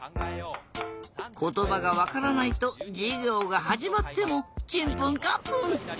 ことばがわからないとじゅぎょうがはじまってもチンプンカンプン。